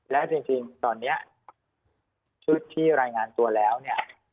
แล้วจริงตอนนี้ชุดที่รายงานตัวแล้วเนี่ย